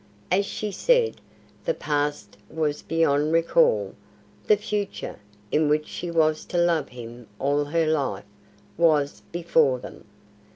As she said, the past was beyond recall; the future in which she was to love him all her life was before them.